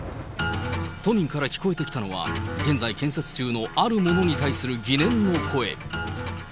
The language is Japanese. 都民から聞こえてきたのは、現在建設中のあるものに対する疑念の声。